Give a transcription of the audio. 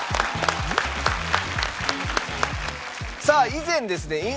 さあ以前ですね